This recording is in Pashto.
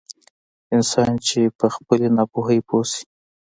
انسان چې په خپلې ناپوهي پوه شي.